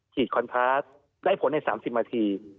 ฉีดคอนทราสได้ผลในสามสิบนาที